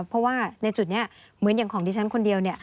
เพราะว่าในจุดนี้เหมือนอย่างของดิฉันคนเดียว